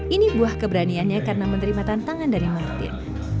ini buah keberaniannya karena menerima tantangan dari martin